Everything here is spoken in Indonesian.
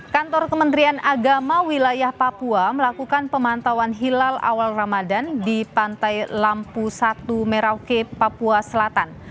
kantor kementerian agama wilayah papua melakukan pemantauan hilal awal ramadan di pantai lampu satu merauke papua selatan